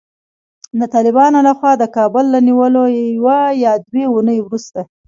د طالبانو له خوا د کابل له نیولو یوه یا دوې اوونۍ وروسته